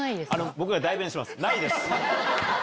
僕が代弁します。